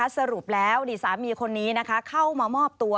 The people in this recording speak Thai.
สรุปแล้วอดีตสามีคนนี้เข้ามามอบตัว